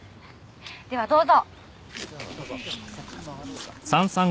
ではどうぞ。